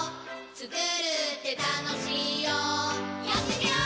つくるってたのしいよやってみよー！